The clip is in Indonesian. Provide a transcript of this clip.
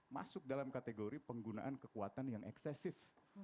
masuk dalam kategori penggunaan kekuatan yang eksesif